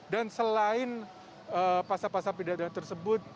dan selain pasal pasal pilihan tersebut